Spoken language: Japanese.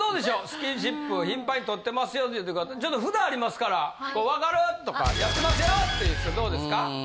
スキンシップいっぱい取ってますよという方ちょっと札ありますからわかる！とかやってますよ！っていう人どうですか？